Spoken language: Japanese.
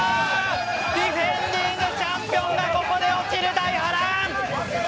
ディフェンディングチャンピオンがここで落ちる大波乱！